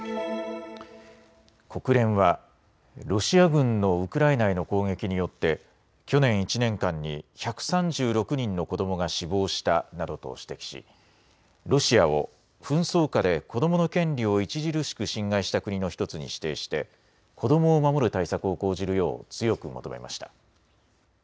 国連はロシア軍のウクライナへの攻撃によって去年１年間に１３６人の子どもが死亡したなどと指摘しロシアを紛争下で子どもの権利を著しく侵害した国の１つに指定して子どもを守る対策を講じるよう強く求めました。